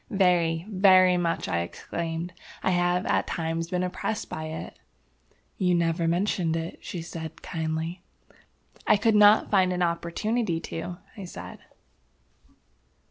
"Very, very much!" I exclaimed. "I have at times been oppressed by it." "You never mentioned it," she said, kindly. "I could not find an opportunity to," I said.